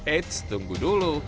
eits tunggu dulu